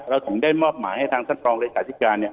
เราถึงได้มอบหมายให้ทางสรรคลองรายกาศิการเนี่ย